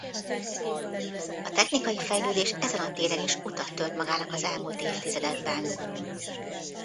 A technikai fejlődés ezen a téren is utat tört magának az elmúlt évtizedekben.